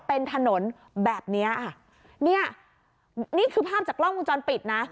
เป็นถนนแบบเนี้ยค่ะเนี่ยนี่คือภาพจากกล้องวงจรปิดนะ